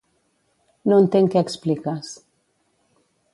No entenc què expliques.